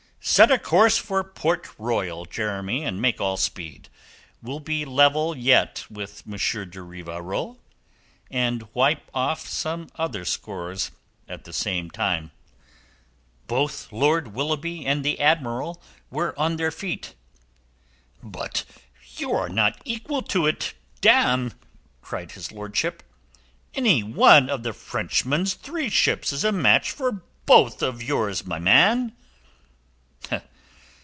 "Set a course for Port Royal, Jeremy, and make all speed. We'll be level yet with M. de Rivarol, and wipe off some other scores at the same time." Both Lord Willoughby and the Admiral were on their feet. "But you are not equal to it, damme!" cried his lordship. "Any one of the Frenchman's three ships is a match for both yours, my man."